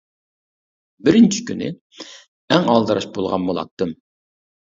بىرىنچى كۈنى، ئەڭ ئالدىراش بولغان بولاتتىم.